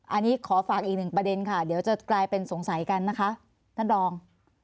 อันนี้ขอฝากอีกหนึ่งประเด็นค่ะเดี๋ยวจะกลายเป็นสงสัยกันนะคะท่านรอง